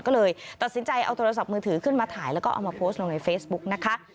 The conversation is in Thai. ก็เลยตัดสินใจเอาโทรศัพท์มือถือขึ้นมาถ่ายแล้วก็เอามาโพสต์ลงในเฟซบุ๊กนะคะ